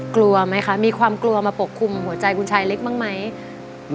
กลัวไหมคะมีความกลัวมาปกคุมหัวใจเป็นจุ่มน้ำแต่ลวงหัวใจของคุณชายเล็กมั้ย